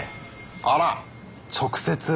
あらっ直接。